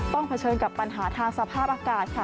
เผชิญกับปัญหาทางสภาพอากาศค่ะ